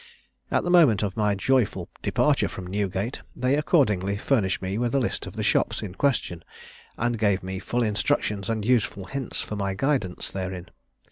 At the moment of my joyful departure from Newgate, they accordingly furnished me with a list of the shops in question, and gave me full instructions and useful hints for my guidance therein.